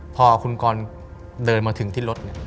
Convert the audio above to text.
พอคุณกรเดินมาถึงที่รถ